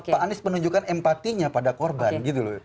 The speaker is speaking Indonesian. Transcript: pak anies menunjukkan empatinya pada korban gitu loh